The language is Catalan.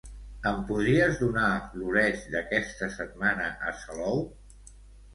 Em podries donar l'oreig d'aquesta setmana a Salou?